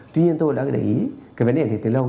tuy nhiên tôi đã gợi ý cái vấn đề này từ lâu